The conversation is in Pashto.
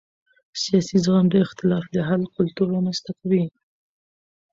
سیاسي زغم د اختلاف د حل کلتور رامنځته کوي